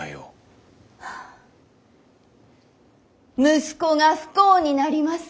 息子が不幸になります。